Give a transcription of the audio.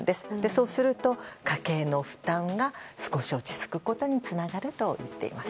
そうすると家計の負担が少し落ち着くことにつながるといっています。